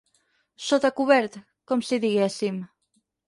Sota cobert, com si diguéssim.